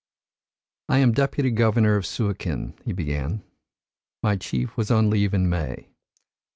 "I am Deputy Governor of Suakin," he began. "My chief was on leave in May.